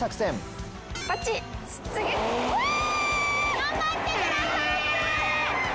頑張ってください！